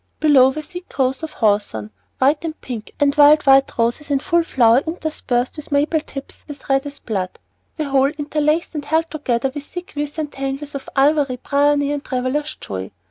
Below were thick growths of hawthorn, white and pink, and wild white roses in full flower interspersed with maple tips as red as blood, the whole interlaced and held together with thick withes and tangles of ivy, briony, and travellers' joy.